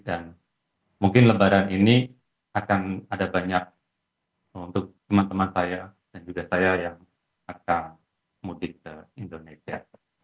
dan mungkin lebaran ini akan ada banyak untuk teman teman saya dan juga saya yang akan mudik ke indonesia